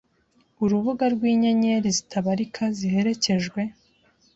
urubuga rwinyenyeri zitabarika ziherekejwe